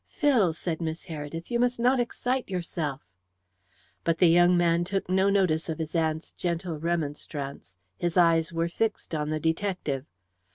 "Phil!" said Miss Heredith. "You must not excite yourself." But the young man took no notice of his aunt's gentle remonstrance. His eyes were fixed on the detective.